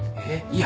いや。